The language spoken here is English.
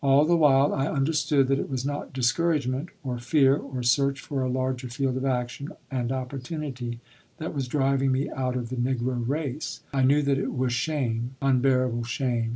All the while I understood that it was not discouragement or fear or search for a larger field of action and opportunity that was driving me out of the Negro race. I knew that it was shame, unbearable shame.